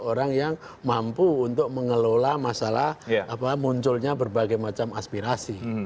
orang yang mampu untuk mengelola masalah munculnya berbagai macam aspirasi